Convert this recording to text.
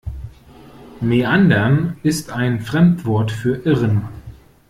Meandern ist ein Fremdwort für "Irren".